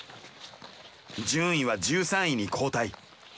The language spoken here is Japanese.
順位は１３位に後退。